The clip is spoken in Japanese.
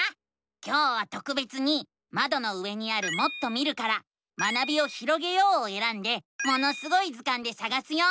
今日はとくべつにまどの上にある「もっと見る」から「学びをひろげよう」をえらんで「ものすごい図鑑」でさがすよ。